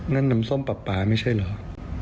นั่นน้ำส้มป่าไม่ใช่เหรอ